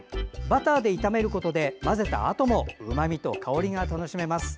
バターで炒めることで混ぜたあともうまみと香りが楽しめます。